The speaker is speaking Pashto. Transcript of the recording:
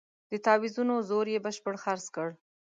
د تاویزونو زور یې بشپړ خرڅ کړ.